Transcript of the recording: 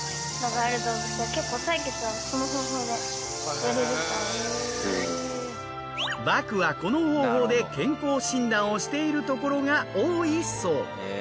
そしてバクはこの方法で健康診断をしているところが多いそう。